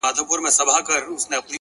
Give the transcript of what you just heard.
اخلاق د شهرت تر نوم مخکې ځلېږي,